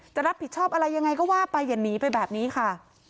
จะรับผิดชอบอะไรยังไงก็ว่าไปอย่าหนีไปแบบนี้ค่ะ